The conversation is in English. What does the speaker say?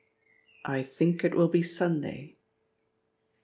I think it will be Sunday."